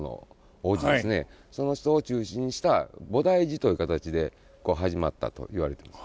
その人を中心にした菩提寺という形で始まったと言われてます。